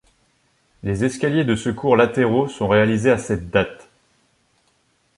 Les escaliers de secours latéraux sont réalisés à cette date.